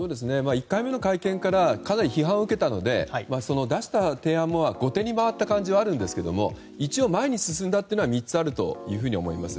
１回目の会見からかなり批判を受けたので出した提案が後手に回った感じがはあるんですけど一応、前に進んだというのは３つあると思います。